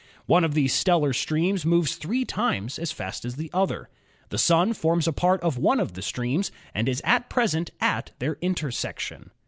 One of these stellar streams moves three times as fast as the other. The Sun forms a part of one of the streams and is at present at their intersection.